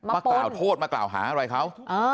มากล่าวโทษมากล่าวหาอะไรเขา